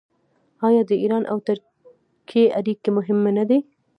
آیا د ایران او ترکیې اړیکې مهمې نه دي؟